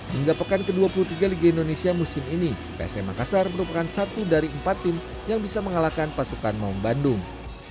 hingga pekan ke dua puluh tiga liga indonesia musim ini psm makassar merupakan satu dari empat tim yang bisa mengalahkan pasukan maung bandung